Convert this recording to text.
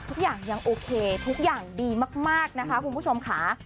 ทุกอย่างยังโอเคทุกอย่างดีมากนะคะคุณผู้ชมค่ะ